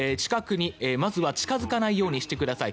まずは近付かないようにしてください。